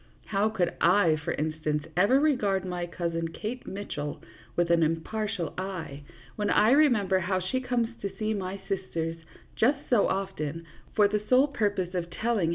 How could I, for instance, ever regard my Cousin Kate Mitchell with an impartial eye, when I remember how she comes to see my sisters just so often, for the sole purpose of telling 64 THE JUDGMENT OF PARIS REVERSED.